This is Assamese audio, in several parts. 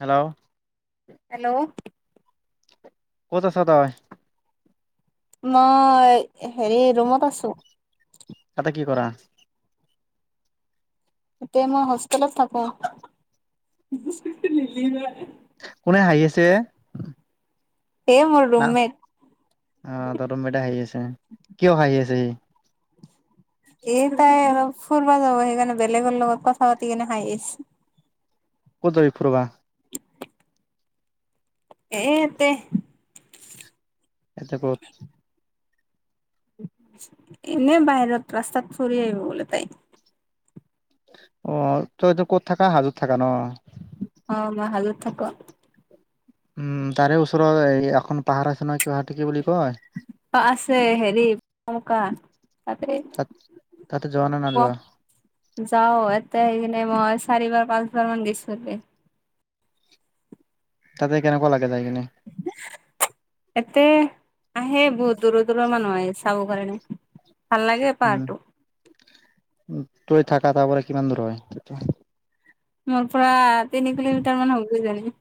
হেল্ল'! হেল্ল'। ক'ত আছা তই? মই, হেৰি ৰুমত আছোঁ। তাতে কি কৰা? এতিয়া মই হষ্টেলত থাকোঁ। কোনে হাঁহিছে? এ মোৰ ন ৰুমমেট অ' তঁহত মেতা হেই আছে, কিয় হাঁহি আছে সি? এই তাই অলপ ফুৰবা যাব, সেইকাৰণে বেলেগৰ লগত কথা পাতি কিনে হাঁহি আছে। ক'ত যাবি ফুৰবা? এই এতে। এতে ক'ত? এনে বাহিৰত ৰাস্তাত ফুৰি আহিব বোলে তাই। অ' তই এতিয়া ক'ত থাকা? হাজোত থাকা ন? অ' মই হাজোত থাকোঁ। উম, তাৰে ওচৰত এই এখন পাহাৰ আছে নহয়, কিবা এইটো কি বুলি কয়? আছে হেৰি, [unintelligible] তাতে তাত তাতে যোৱা নে নাযোৱা [unintelligible] যাও এতে এ মই চাৰিবাৰ পাঁচ বাৰ মান দিছোগে। তাতে কেনেকুৱা লাগে যায় কেনে? এতে, আহে বহুত দূৰৰ দূৰৰ মানুহ আহে চাব কাৰণে। ভাললাগে উম পাহাৰটো। তই থাকা তাপৰা কিমান দূৰ হয়? মোৰ পৰা তিনি কিলোমিটাৰমান হ'ব কিজানি।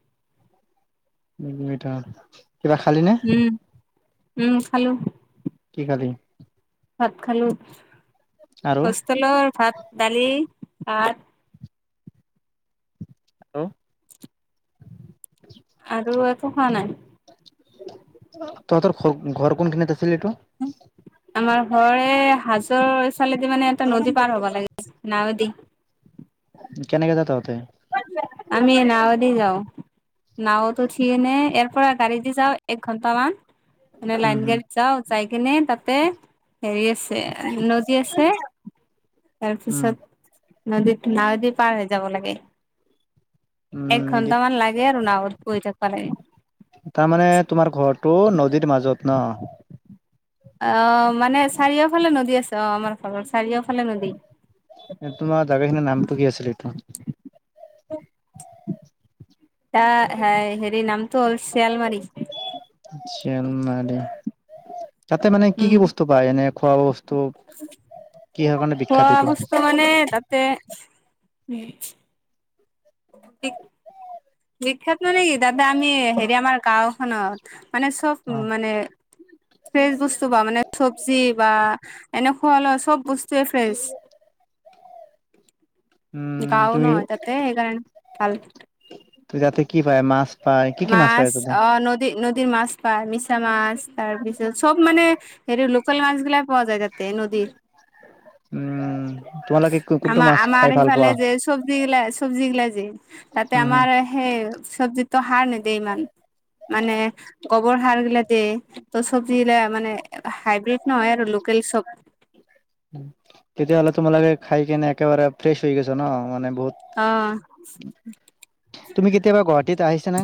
[unintelligible] কিবা খালি নে? উম, উম, খালোঁ। কি খালি? ভাত খালোঁ। আৰু হোষ্টেলৰ ভাত, দালি, আৰ আৰু আৰু একো খোৱা নাই। তহঁতৰ ঘৰ, ঘৰ কোন কিনখিনিত আছিল এইটো? আমাৰ ঘৰে হাজোৰ এইফালেদি মানে এটা নদী পাৰ হ'ব লাগে, নাৱেদি। কেনেকে যা তহঁতে? আমি নাওঁ দি যাওঁ। নাওঁত উঠিকিনে ইয়াৰ পৰা গাড়ী দি যাওঁ, এক ঘণ্টামান, মানে উম লাইন উম গাড়ীত যাওঁ। যাই কিনে তাতে, হেৰি আছে, নদী আছে। তাৰ উম পিছত নদীত নাৱেদী পাৰ হৈ যাব লাগে। এক উম ঘন্টামান লাগে আৰু নাওঁত গৈ থাকবা লাগে। তাৰমানে তোমাৰ ঘৰটো নদীৰ মাজত ন? অ', মানে চাৰিওফালে নদী আছে। অ' আমাৰ ঘৰৰ চাৰিওফ তে তোমাৰ জাগা খিনিৰ নামটো কি আছিল এইটো? হে হেৰি নামটো হ'ল শিয়ালমাৰি শিয়ালমাৰি তাতে মানে কি উম। কি বস্তু পায় এনে খোৱা বস্তু কিহৰ কাৰণে খোৱা বিখ্যাত এইটো বস্তু মানে তাতে বিখ্যাত মানে কি তাতে আমি হেৰি আমাৰ গাওঁখনত মানে চব অ মানে ফ্ৰেচ বস্তু বা মানে চবজি বা এনেকুৱা খোৱা লোৱা চব বস্তুৱে ফ্ৰেছ উম গাঁও তুমি নহয় তাতে সেইকাৰণে ভাল তাতে কি পায় মাছ পায় কি কি মাছ পায় তাতে অ নদী নদীৰ মাছ পায় মিছা মাছ তাৰ পিছত চব মানে হেৰি লোকেল মাছ গিলা পোৱা যায় তাতে নদীৰ উম তোমালোকে কোনটো মাছ আমাৰ-আমাৰ খাই ভাল সিফালে পোৱা যে চবজি গিলা-চবজি গিলা তাতে উম হম আমাৰ সেই চবজিতো সাৰ নিদিয়ে ইমান মানে গোৱৰ সাৰ গিলা দে ত চবজি গিলা মানে হাইব্ৰীড নহয় আৰু লোক [inaudible] তেতিয়াহ'লে তোমালাকে খাই কেনে একেবাৰে ফ্ৰেছ হৈ গৈছ ন মানে বহুত আহ। তুমি কেতিয়াবা গুৱাহাটীত আহিছা নে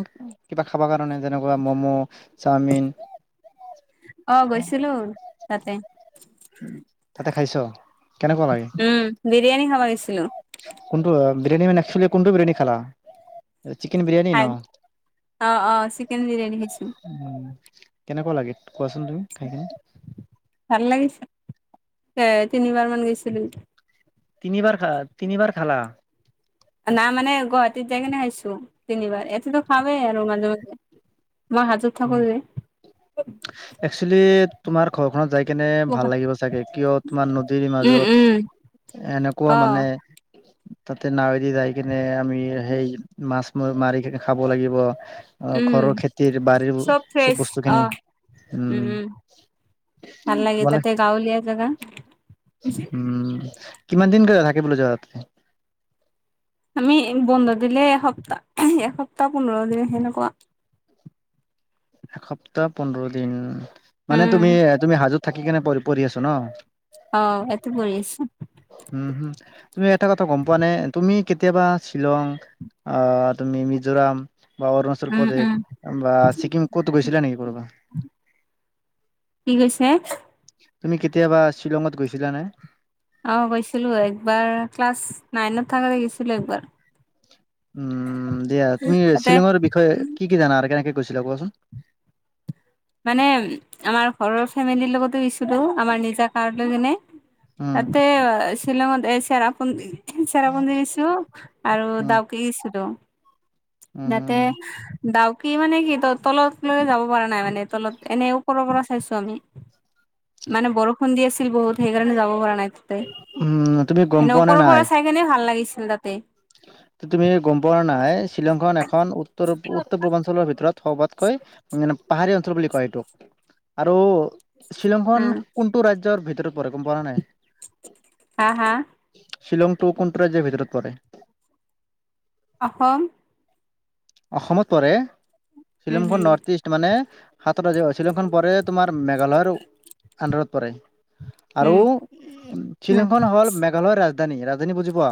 কিবা খাব কাৰণে যেনেকুৱা ম'ম' চাওমিন অ, গৈছিলো তাতে তাতে খাইছ? কেনেকুৱা লাগে উম বিৰিয়ানি খাব--গৈছি কোনটো বিৰিয়ানী মানে একচি কোনটো বিৰিয়ানী খালা? চিকেন বিৰিয়ানী ন? অ অ চিকেন বিৰিয়ানী খাইছো কেনেকুৱা লাগে কোৱাচোন তুমি খাই কেনে সে তিনিবাৰ মান গৈছিলো তিনিবাৰ খ তিনিবাৰ খালা না মানে গুৱাহাটীত যাই কিনে খাইছো তিনিবাৰ এতিতো খাবেই আৰু মাজে-মাজে একচেলি তোমাৰ ঘৰখনত যায় কেনে ভাল লাগিব চাগে কিয় তোমাৰ নদীৰ উম মাজত উম এনেকুৱা অ মানে তাতে নাৱেদি যাই কেনে আমি সেই মাছ মাৰিকেনে খাব লাগিব। অ উম ঘৰৰ খেতি চব ফ্ৰেছ আহ উম উম-উম। ভাল লাগে তোমালে তাতে গাঁওলীয়া জাগা উম কিমান দিনকৈ থাকে বো যোৱা আমি বন্ধ দিলে এসপ্তাহ-এসপ্তাহ পোন্ধৰ দিন সেনেকুৱা এসপ্তাহ পোন্ধৰ দিন মানে উম, তুমি-তুমি হাজত থাকি কেনে পঢ়ি আছো ন? অ এতে পৰি আছো। উম হম তুমি এটা কথা গম পোৱা নে তুমি কেতিয়াবা শ্বিলং অ তুমি মিজোৰাম বা অৰুণাচল উম, উম। প্ৰদেশ বা চিকিম ক'তো গৈছিলে নেকি কোবা কি কৈছে? তুমি কেতিয়াবা শ্বিলঙত গৈছিলা নে? অ', থাকতে গৈছিলো একবাৰ উম, দিয়া তুমি তাতে শ্বিলঙৰ বিষয়ে কি কি জানা আৰু কেনেকে গৈছিলা কোৱাচোন মানে আমাৰ ঘৰৰ ফেমিলিৰ লগতো গৈছিলো আমাৰ নিজা কাৰ লৈ কিনে উম, তাতে শ্বিলংত ম এ চেৰাপু চেৰাপুঞ্জী দিছো আৰু উম, দাউকে দিছিলো উম, তাতে উম, ডাউকি মানে কি ত তলত লকে যাব পৰা নাই মানে তলত এনে ওপৰৰ পৰা চাইছো আমি। মানে বৰষুণ দি আছিল বহুত সেইকাৰণে যাব পৰা নাই। উম, তুমি গম এনে পোৱা নে ওপৰৰ পৰা নাই? চাইকেনে ভাল লাগিছিল তাতে। তুমি গম পোৱা নাই। শ্বিলংখন এখন উত্তৰ উত্তৰ পূৰ্বাঞ্চলৰ ভিতৰত সৰ্বাত কৈ মানে পাহাৰীয়া অঞ্চল বুলি কয় এইটো আৰু শ্বিলংখন উম কোনটো ৰাজ্যযৰ ভিতৰত পৰে গম পোৱা নে নাই? হা, হা, শ্বিলং টো কোনটো ৰাজ্যৰ ভিতৰত পৰে? অসম। অসমত পৰে উম শ্বিলংখন নৰ্থ-ইষ্ট মানে সাতটা [unintelligible] জ অ, শ্বিলংখন পৰে তোমাৰ মেঘালয়ৰ আন্ডাৰত পৰে। আৰু হম উম শ্বিলিংখন হল মেঘালয়ৰ ৰাজধানী ৰাজধানী বুজি পোৱা?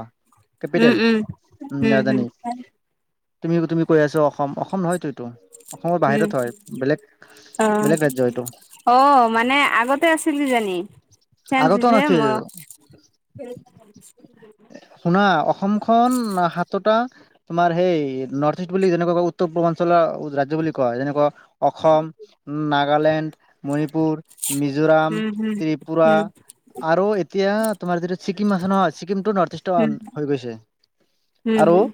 কেপিটেল উম, ৰাজধানী। তুমি তুমি কৈ আছ অসম নহয়তো এইতো। অসমৰ উম বাহিৰত হয় বেলেগ বেলেগ অ ৰাজ্য এইটো। অ, মানে আগতে আছিল কিজানি। আগতেও নাছিল [unintelligible] ম। শুনা অসমখন সাতোটা তোমাৰ সেই নৰ্থ-ইষ্ট বুলি যেনেকুৱাকৈ উত্তৰ-পূৰ্বাঞ্চলৰ ৰাজ্য বুলি কয় যেনেকুৱা অসম, নাগালেণ্ড মণিপুৰ, মিজোৰাম, উম হম ত্ৰিপুৰা উম আৰু এতিয়া তোমাৰ য যিটো চি ছিকিম আছে নহয় ছিকিমটো নৰ্থ-ইষ্টৰ উম হৈ গৈছে উম আৰু হম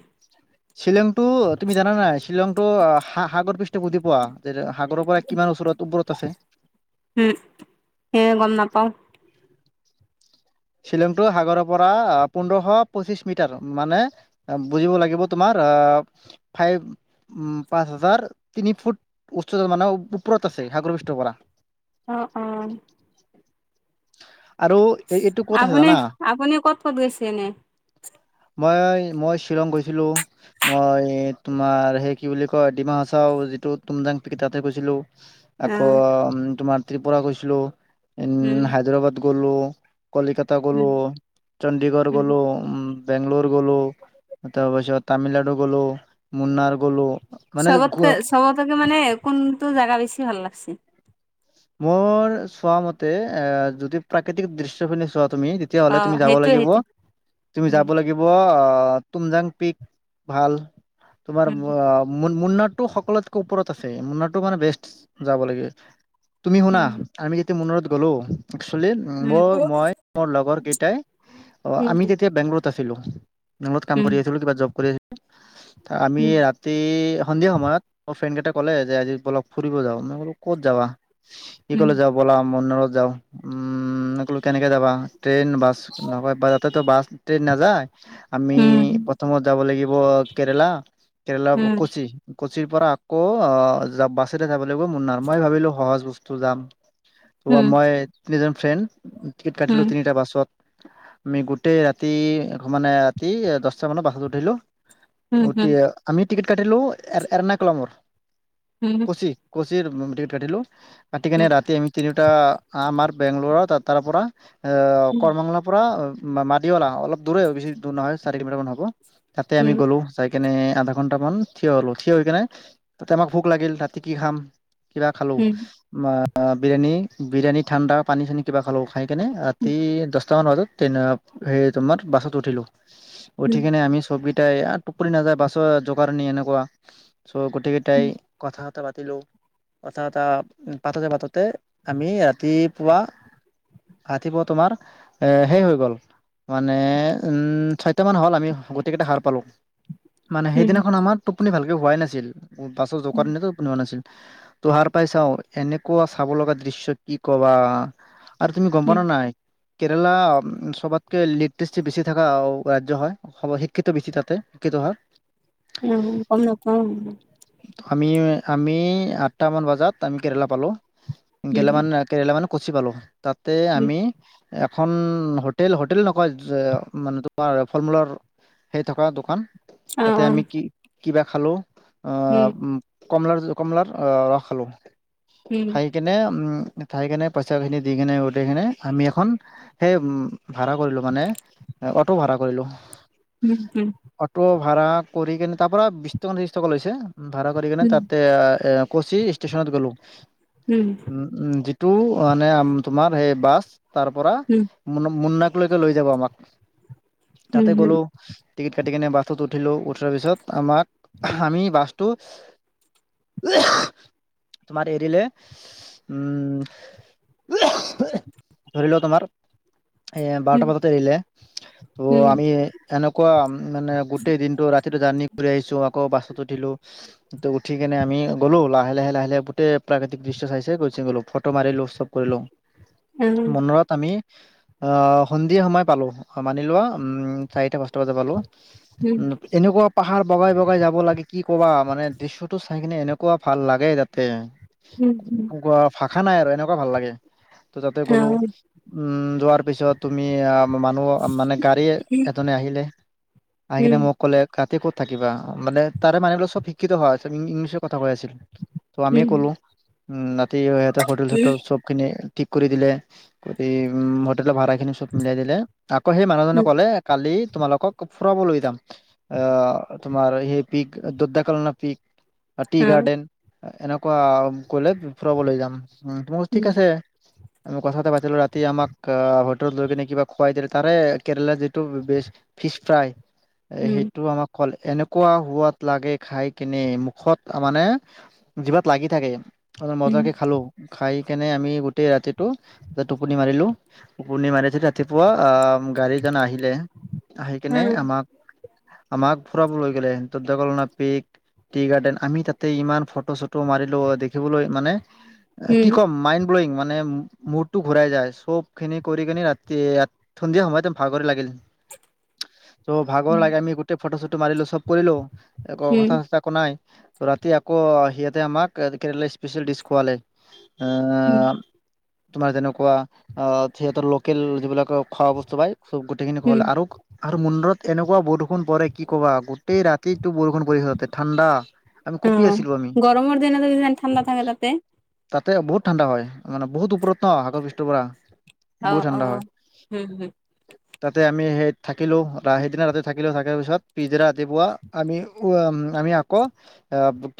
শ্বিলংটো তুমি জানা নাই শ্বিলংটো সা সাগৰ পৃষ্ঠ বুজি পোৱা? [unintelligible] সাগৰৰ পৰা কিমান ওচৰত ওপৰত আছে? উম, সেয়া গম নাপাও। শ্বিলংটো সাগৰৰ পৰা পোন্ধৰশ পচিশ মিটাৰ মানে বুজিব লাগিব তোমাৰ ফাইভ উম, পাঁচ হাজাৰ তিনি ফুট উচ্চতাত মানে ওপৰত আছে। সাগৰ পৃষ্ঠৰ পৰা। অ অ আৰু এই এইটো ক'ত আছে আপুনি জানা আপুনি ক'ত ক'ত গৈছে এনে? মই মই শ্বিলং গৈছিলো মই তোমাৰ সেই কি বুলি কয় এ ডিমাহাচাও যিটো তুমজাং পিক টাতে গৈছিলো আকৌ অ', তোমাৰ ত্ৰিপুৰা গৈছিলো ইন, উম, হায়দৰাবাদ গলো কলিকতা গ'লোঁ উম, চণ্ডীগড় উম। গ'লোঁ বেংলোৰ গ'লোঁ তাৰপিছত তামিলনাডু গ'লো মুন্নাৰ গ'লো। মানে চবতকে গো- চবতকে মানে কোনটো জাগা বেছি ভাল লাগছি? মোৰ চোৱা মতে অ, যদি প্ৰাকৃতিক দৃশ্যখিনি চোৱাত তুমি তেতিয়াহলে অ', তুমি যাব সেইটোৱে লাগিব সেইটোৱে। তুমি উম, যাব লাগিব অ, অ, টুজাং পিক ভাল তোমাৰ অ, উম, মু মুন্নাৰটো সকলোতকৈ ওপৰত আছে মুন্নাৰটো মানে বেষ্ট যাব লাগে। তুমি শুনা উম, আমি যেতিয়া মন্নোৰত গ'লো একচুৱেলি মোৰ মই মোৰ লগৰ কেইটাই আমি উম, তেতিয়া বেংলৰত আছিলোঁ নলত কাম উম, কৰি উম, আছিলো কিবা জব কৰিছি আমি ৰাতি সন্ধিয়া সময়ত মোৰ ফ্ৰেণ্ড কেইটাক ক'লে যে আজি বলক ফুৰিব যাও ম বোলো ক'ত যাবা সি উম, উম, ক'লে যে বলা মন্নো যাওঁ কলো কেনেকৈ যাবা ট্ৰেইন, বাছ নকয় বা তাতেতো বাছ ট্ৰেইন নাযায় আমি উম, প্ৰথমত যাব লাগিব কেৰেলা কেৰেলাৰ উম, কোচি কোচিৰ পৰা আকৌ অ, বাছেৰে যাব লাগিব মুন্নাৰ মই ভাবিলো সহজ বস্তু যাম মই তিনিজন ফ্ৰেণ্ড টিকেট উম, উম, কাটিলোঁ উম, তিনিটা বাছত আমি গোটেই ৰাতি মানে কি দশটা মানত বাছত উঠিলো উম, উম, উম, উম, উম, উম, উম, উতি আমি টিকট কাটিলো এ এৰ্ণ কলমৰ কচি কচি। [unintelligible] পাতি কিনে ৰাতি আমি তিনিওটা আমাৰ বেংগলৰত তাৰ পৰা এ কৰমঙলাৰ পৰা মাদিৱালা অলপ দূৰেই বেছি দূৰ নহয় চাৰি কিলোমিটাৰ মান হ'ব। তাতে আমি গ'লো চ কেনে আধা ঘন্টা মান থিয় হলো থিয় হৈ কেনে তাতে আমাক ভোক লাগিল ৰাাতি কি খাম কিবা খালো। উম। বিৰিয়ানী বিৰিয়ানী ঠাণ্ডা পানী চানী কিবা খালো খাই কেনে ৰাতি দহটামান বাজত। সে তোমাৰ বাছত উঠিলোঁ উঠি উম, কেনে আমি চব তাই টোপৰি নাযায় বাছ জোগাৰণি এনেকুৱা চ' গোটেইকেইটাই কথা হ তিলোঁ কথা পাততে পাততে আমি ৰাতিপুৱা। ৰাতিপুৱা তোমাৰ এ সেই হৈ গ'ল মানে উম, ছয়টামান হ'ল আমি গোটেইকেইটা সাৰ পালোঁ। মানে উম, উম, সেইদিনাখন আমাৰ টোপনি ভালকে হোৱাই নাছিল বাছত জোৱাৰ দনাটো টোপুনি হোৱা নাছিল। তোহাৰ পাই চাওঁ, এনেকুৱা চাব লগা দৃশ্য কি ক'বা? আৰু তুমি গম প উম, না নাই? কেৰেলা সবাতকৈ লিট্ৰষ্টি বেছি থকা ৰাজ্য হয়, শিক্ষিত বেছি তাতে, শিক্ষিত হাঁ? উম গম‌ নাপাওঁ। আমি, আমি আঠটা মান বজাত আমি কেৰেলা পালোঁ, কেৰেলা উম, মানে কেৰেলা মানে কচি পালোঁ তাতে উম, আমি এখন হোটেল হোটেল নকয় মানে তোমাৰ ফল মূলৰ সেই থকা দোকান। অ', তাতে অ', আমি কি কিবা খালো আহ উম, উ কমলাৰ কমলাৰ ৰস খালোঁ উম, খাইকনে থাই কেনে পইচাখিনি দি কেনে, উঠাই কিনে আমি এখন সেই উম ভাড়া কৰিলোঁ মানে অটো ভাড়া কৰিলোঁ। উম হম। ভাড়া কৰি কেনে তাৰ পৰা বিশছ টকা ত্ৰিছ টকা লৈছে ভাড়া কৰি কেনে উম, তাতে এ কচি ষ্টেশচনত গলো। উম উ যিটো মানে তোমাৰ সেই বাছ তাৰ পৰা উম, মু মুন্নাক লৈকে লৈ যাব আমাক উম, উম, উম, তাতে গলো টিকট ক স কেনে বাছটোত উঠিলো উঠোৱাৰ পিছত আমাক আমি বাছটো তোমাৰ এৰিলে, উম ধৰি লও তোমাৰ এ বাৰটা উম, পাততে এৰিলে ত' আমি এনেকুৱা মানে গোটেই দিনটো ৰাতিটো জাৰ্ণি কৰি আহিছো আকৌ বাছ উঠিলো ত উঠি কেনে আমি গ'লো লাহে লাহে লাহে লাহে। প্ৰাকৃতিক দৃশ্য চাইছে গৈছে গ'লো, ফটো মাৰিলো উৎসৱ কৰিলো মনত আমি আহ সন্ধিয়া সময় পালো মানি লোৱা উম চাৰিটা পাচতা। [unintelligible] বালো উম, উ এনেকুৱা। পাহাৰ বগাই বগাই যাব লাগে কি কবা মানে দৃশ্যটো চাই কিনে এনেকুৱা ভাল লাগে তাতে। হম হম। খা নাই আৰু এনেকুৱা ভাল লাগে ত' যাতে গ'লো অ'। উম যোৱাৰ পিছত তুমি আ মানুহ মানে গাড়ীয়ে এজননে আহিলে আহি কিনে উম, মোক ক'লে। ক'ত থাকিবা মানে তাৰে মানুহবিলাক চব শিক্ষিত হয়। ইংলিছত কথা কৈ আছিল। ত' আমি ক'লো উ ৰাতি সিহতে হোটেল চোটেল চব খিনি ঠিক কৰি দিলে কৰি হোটেল ভাত সেই খিনি চব মিলাই দিলে, আকৌ সেই মানুহজনে ক'লে কালি তোমালোকক ফুৰাব লৈ যাম, অ তোমাৰ সেই পিক দেকালনা পিক টি গাৰ্ডেন, এনেকুৱা কৰিলে ফুৰাব লৈ যাম। উ তোমাৰ ঠিক আছে। আমি কথা কথা পাতিলো ৰাতি আম হোটেলত লৈ কিনে কিবা খুৱাই দিলে তাৰে কেৰেলাৰ যিটো বেষ্ট ইছ ফ্ৰাই, এ সেইটো আমাক কলে এনেকুৱা সোৱাদ লাগে খাই কেনে মুখত, মানে জিভাত লাগি থাকে। আৰু মাকে খালো, খাই কেনে আমি গোটেই ৰাতিটো যে টোপনি মাৰিলো, টোপনি মাৰি যে ৰাতিপুৱা আ গাড়ীজন আহিলে, আহি কিনে আমাক আমাক ফুৰাব লৈ গ'লে। দৈদাকলন, পিক টীৰ গাৰ্ডেন আমি তাতে ইমান ফটো। ফটো তাতো মাৰিলোঁ দেখিবলৈ মানে এ কি কম মাইন্দ। মানে মূৰটো ঘুৰাই যায় চব খিনি কৰি কিনে ৰাতি এট সন্ধিয়া সময়ত ভাগৰি লাগিল। [unintelligible] ত' ভাগৰ লাগে আমি গোটেই ফটো চটো মাৰিলো চব কৰিলো একো কথা চথা একো নাই। ৰাতি আকৌ সিহতে আমাক কেৰেলাৰ স্পেচিয়েল ডিচ খুৱালে। উম। তোমাৰ যেনেকুৱা অ সিহঁতৰ লোকেল যিবিলাক খোৱা বস্তু পায়। চব গোটেই খিনি হ'ল আৰু আৰু মুন্দত এনেকুৱা বৰষুণ পৰে কি কবা গোটেই ৰাতি। বৰষুণ পৰি তাতে ঠাণ্ডা, আমি কপি আছিলো আমি। গৰমৰ দিনতো ইমান ঠাণ্ডা থাকে তাতে। তাতে বহুত ঠাণ্ডা হয়, মানে বহুত ওপৰত ন সাগৰ পৃষ্টৰপৰা। বহুত অ', ঠাণ্ডা অ', হয়, হম, হম। তাতে আমি সে থাকিলো, সেইদিনা তাতে থাকিলো, থাকাৰ পিছত পিছদিনা ৰাতিপুৱা আমি উম, আমি আকৌ [unintelligible]